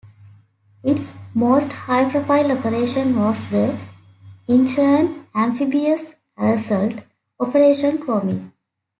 Its most high-profile operation was the Incheon amphibious assault, Operation Chromite.